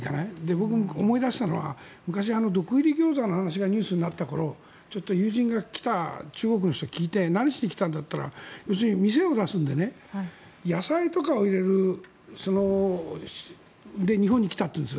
僕も思い出したのは昔、毒入りギョーザの話がニュースになった頃友人が来て、中国の人に聞いて何しに来たか聞いたら要するに店を出すので野菜とかを入れるので日本に来たというんです。